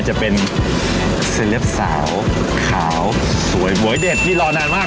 จะเป็นเซลปสาวขาวสวยหวยเด็ดนี่รอนานมาก